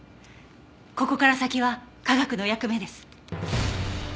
ここから先は科学の役目です。